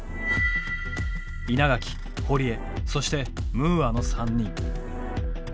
稲垣堀江そしてムーアの３人。